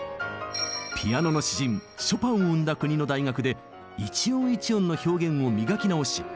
ピアノの詩人ショパンを生んだ国の大学で一音一音の表現を磨き直し